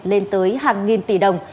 lên tới hàng nghìn tỷ đồng